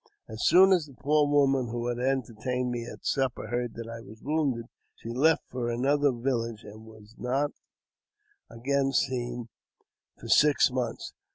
As soon as the poor woman who had entertained me at supper heard that I was wounded, she left for another village, and was not seen again for six months.